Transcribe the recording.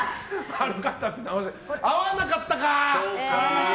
合わなかったか。